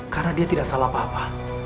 karena dia tidak salah apa apa